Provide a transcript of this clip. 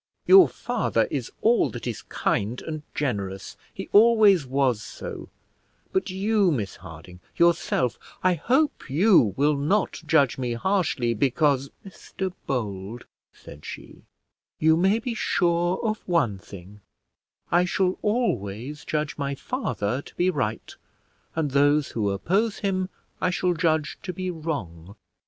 "Your father is all that is kind and generous; he always was so; but you, Miss Harding, yourself I hope you will not judge me harshly, because " "Mr Bold," said she, "you may be sure of one thing; I shall always judge my father to be right, and those who oppose him I shall judge to be wrong.